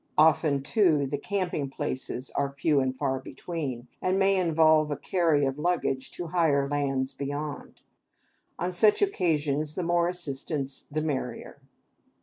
Often, too, the camping places are few and far between, and may involve a carry of luggage to higher lands beyond; on such occasions, the more assistance the merrier.